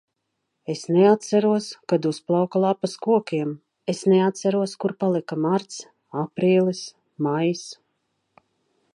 Es neatceros, kad uzplauka lapas kokiem. Es neatceros, kur palika marts, aprīlis, maijs.